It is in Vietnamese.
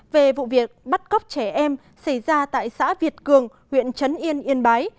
về vụ việc bắt cóc trẻ em xảy ra tại xã việt cường huyện trấn yên yên bái